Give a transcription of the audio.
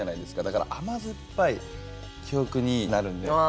だから甘酸っぱい記憶になるんで。